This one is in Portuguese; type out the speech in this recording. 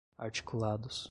articulados